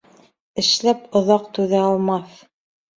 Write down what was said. Эшләп оҙаҡ түҙә алмаҫ.